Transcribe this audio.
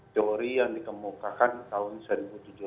teori yang dikemukakan tahun seribu tujuh ratus